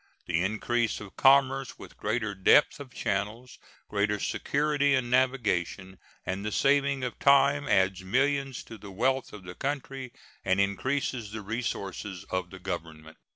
The increase of commerce, with greater depths of channels, greater security in navigation, and the saving of time, adds millions to the wealth of the country and increases the resources of the Government.